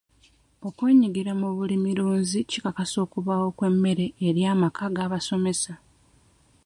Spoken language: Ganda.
Okwenyigira mu bulimirunzi kikakasa okubawo kw'emmere eri amaka g'abasomesa.